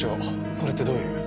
これってどういう？